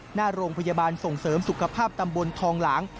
หน้าโรงพยาบาลส่งเสริมสุขภาพตำบลทองหลาง